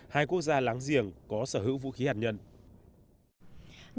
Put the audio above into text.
hai quốc gia láng giềng có sở hữu vũ khí hạt nhân